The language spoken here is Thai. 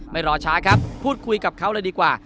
รอช้าครับพูดคุยกับเขาเลยดีกว่า